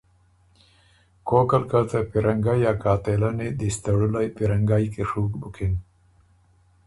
کوک ال که ته پیرنګئ ا قاتلنی دِستړُولئ پیرنګئ کی ڒُوک بُکِن